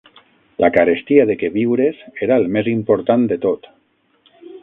La carestia de queviures era el més important de tot